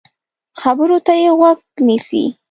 خبرو ته يې غوږ نیسو.